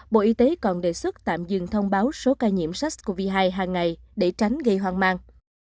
bộ y tế còn đề xuất tạm dừng thông báo số ca nhiễm sars cov hai hàng ngày để tránh gây hoang mang